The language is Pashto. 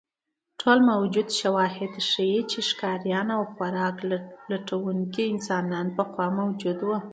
ټول موجود شواهد ښیي، چې ښکاریان او خوراک لټونکي انسانان پخوا موجود وو.